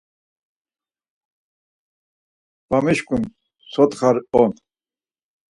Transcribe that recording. Va mişǩun sotxa on.